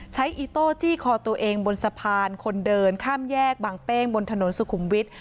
อีโต้จี้คอตัวเองบนสะพานคนเดินข้ามแยกบางเป้งบนถนนสุขุมวิทย์